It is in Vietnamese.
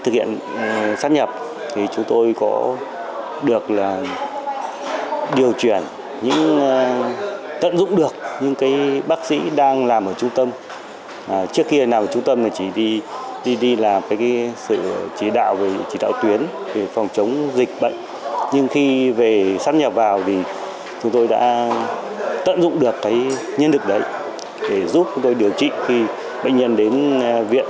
để sắp nhập vào thì chúng tôi đã tận dụng được cái nhân lực đấy để giúp chúng tôi điều trị khi bệnh nhân đến viện